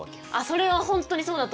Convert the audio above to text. それは本当にそうだと思う。